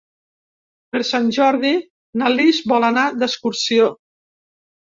Per Sant Jordi na Lis vol anar d'excursió.